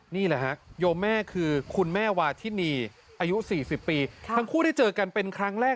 นี่แหละฮะโยมแม่คือคุณแม่วาทินีอายุ๔๐ปีทั้งคู่ได้เจอกันเป็นครั้งแรก